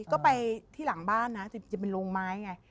ก็ไปที่หลังบ้านนะจะเป็นโรงไม้ไง